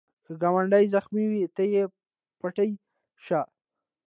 که ګاونډی زخمې وي، ته یې پټۍ شه